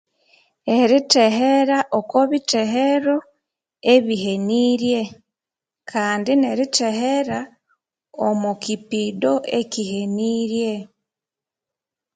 Erithehera okubithehero ebihenirye, kandi nerithehera omu kipido ekyihenirye